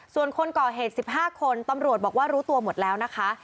ส่วนคนก่อเหตุ๑๕คนตำรวจบอกว่ารู้ตัวหมดแล้วนะคะ